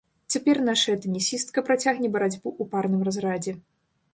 Цяпер нашая тэнісістка працягне барацьбу ў парным разрадзе.